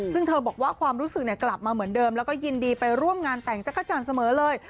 ซึ่งเธอบอกว่าความรู้สึกกลับมาเหมือนเดิมแล้วก็ยินดีไปร่วมงานแต่งจักรจันทร์เสมอเลย